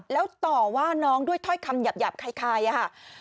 แล้วต่อว่าน้องด้วยถ้อยคำหยาบคล้ายค่ะ